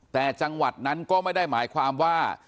แต่จังหวัดนั้นก็ไม่ได้หมายความว่า